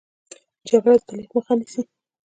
جګړه د تعلیم مخه نیسي